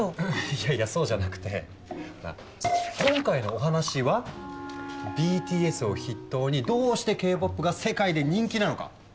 いやいやそうじゃなくて今回のお話はＢＴＳを筆頭にどうしてＫ−ＰＯＰが世界で人気なのか？